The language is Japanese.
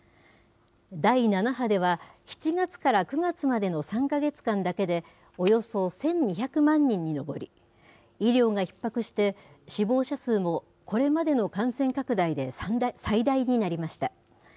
第７波では、７月から９月までの３か月間だけで、およそ１２００万人に上り、医療がひっ迫して、死亡者数もこれまでの感染拡大で最大になりました。